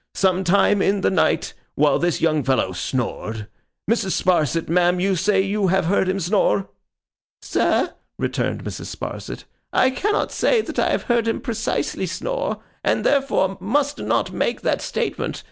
Some time in the night, while this young fellow snored—Mrs. Sparsit, ma'am, you say you have heard him snore?' 'Sir,' returned Mrs. Sparsit, 'I cannot say that I have heard him precisely snore, and therefore must not make that statement.